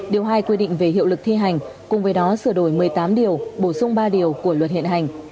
điều hai quy định về hiệu lực thi hành cùng với đó sửa đổi một mươi tám điều bổ sung ba điều của luật hiện hành